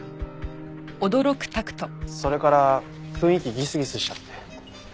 それから雰囲気ギスギスしちゃって。